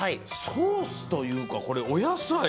ソースというかこれおやさい。